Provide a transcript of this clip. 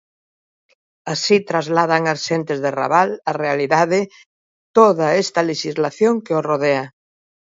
Así trasladan as xentes de Rabal á realidade toda esta lexislación que os rodea.